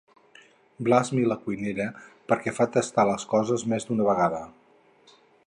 Blasmi la cuinera perquè fa tastar les coses més d'una vegada.